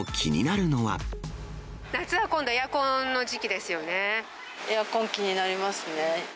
夏は今度、エアコンの時期でエアコン、気になりますね。